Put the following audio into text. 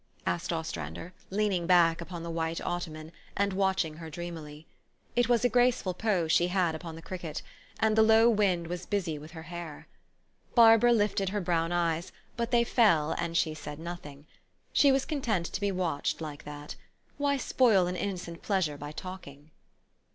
" asked Ostrander, leaning back upon the white ottoman, and watching her dreamily. It was a graceful pose she had upon the cricket ; and the low wind was busy with her hair. Barbara lifted her brown eyes ; but they fell, and she said nothing. She was content to be watched like that. Why spoil an innocent pleasure by talk ing?